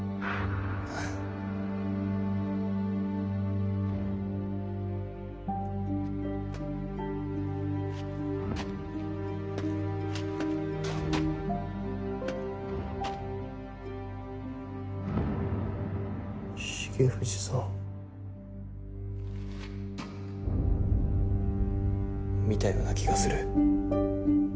あぁ足音重藤さん見たような気がする。